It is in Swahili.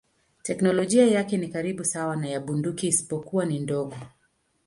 Teknolojia yake ni karibu sawa na ya bunduki isipokuwa ni ndogo.